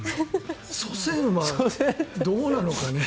祖先はどうなのかね。